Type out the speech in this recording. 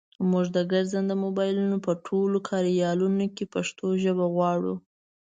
مونږ د ګرځنده مبایل په ټولو کاریالونو کې پښتو ژبه غواړو.